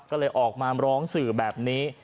ก็เลยออกมาร้องสื่อแบบนี้